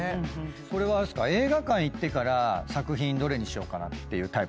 これは映画館行ってから作品どれにしようっていうタイプですか？